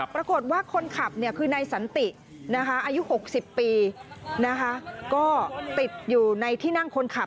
ปรากฏว่าคนขับเนี่ยคือในสันตินะคะ